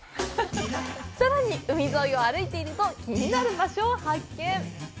さらに、海沿いを歩いていると気になる場所を発見！